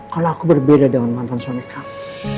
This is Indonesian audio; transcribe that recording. kalau aku berbeda dengan mantan suami